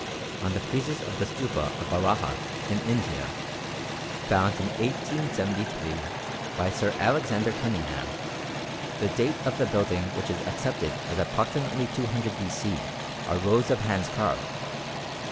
On the friezes of the Stupa of Bharahat in India, found in 1873 by Sir Alexander Cunningham the date of the building of which is accepted as approximately 200 B.C. are rows of hands carved.